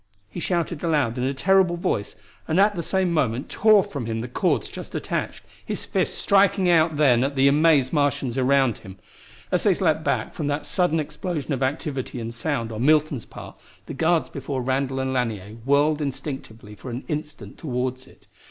He shouted aloud in a terrible voice, and at the same moment tore from him the cords just attached, his fists striking out then at the amazed Martians around him. As they leaped back from that sudden explosion of activity and sound on Milton's part the guards before Randall and Lanier whirled instinctively for an instant toward it.